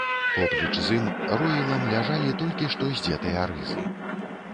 Поплеч з ім роілам ляжалі толькі што здзетыя рызы.